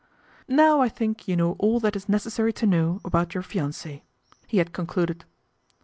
" Now I think you know all that is necessary to know about your fiance," he had concluded.